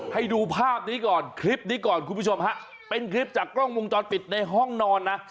ให้ดูภาพนี้ก่อนคลิปนี้ก่อนคุณผู้ชมฮะเป็นคลิปจากกล้องวงจรปิดในห้องนอนนะ